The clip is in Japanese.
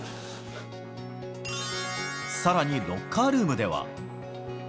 さらにロッカールームでは。